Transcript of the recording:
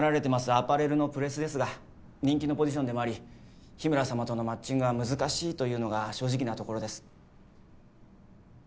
アパレルのプレスですが人気のポジションでもあり日村様とのマッチングは難しいというのが正直なところです。